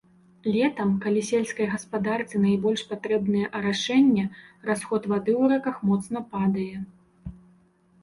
Летам, калі сельскай гаспадарцы найбольш патрэбнае арашэнне, расход вады ў рэках моцна падае.